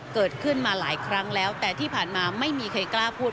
เกิดขึ้นมาหลายครั้งแล้วแต่ที่ผ่านมาไม่มีใครกล้าพูด